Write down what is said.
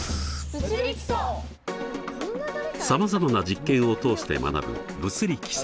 さまざまな実験を通して学ぶ「物理基礎」。